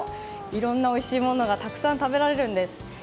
いろんなおいしいものがたくさん食べられるんです。